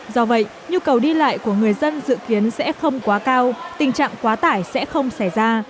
do vậy nhu cầu đi lại của người dân dự kiến sẽ không quá cao tình trạng quá tải sẽ không xảy ra